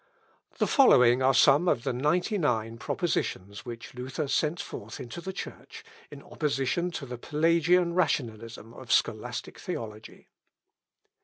The following are some of the Ninety nine Propositions which Luther sent forth into the Church, in opposition to the Pelagian rationalism of scholastic theology.